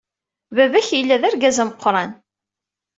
Baba-k yella d argaz ameqran.